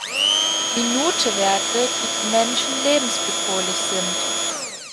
Minute Werte, die für Menschen lebensbedrohlich sind.